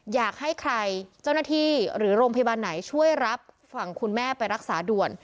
อยากให้ใครเจ้าหน้าที่หรือโรงพยาบาลไหนช่วยรับฝั่งคุณแม่ไปรักษาด่วน